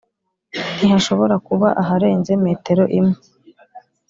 ntihashobora kuba aharenze metero imwe